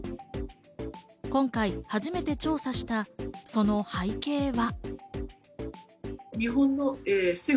今回初めて調査した、その背景は。